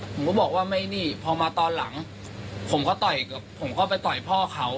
ผมก็บอกว่าไม่นี่พอมาตอนหลังผมก็ต่อยกับผมก็ไปต่อยพ่อเขา